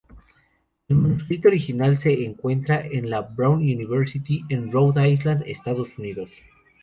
El manuscrito original se encuentra en la Brown University en Rhode Island, Estados Unidos.